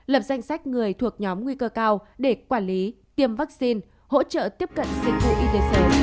lập danh sách người thuộc nhóm nguy cơ cao để quản lý tiêm vaccine hỗ trợ tiếp cận dịch vụ y tế sớm